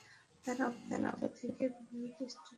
তারা অবিবাহিত থেকে বিবাহিত স্ট্যাটাস লাভ করতে চায়।